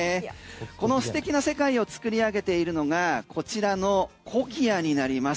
この素敵な世界を作り上げているのがこちらのコキアになります。